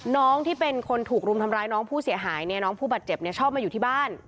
น้องที่เป็นคนถูกรุมทำร้ายน้องผู้เสียหายเนี่ยน้องผู้บาดเจ็บเนี่ยชอบมาอยู่ที่บ้าน